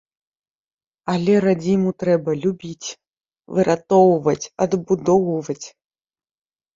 Але радзіму трэба любіць, выратоўваць, адбудоўваць.